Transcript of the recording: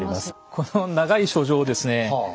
この長い書状をですね